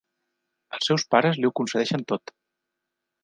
Els seus pares li ho concedeixen tot.